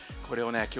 これをね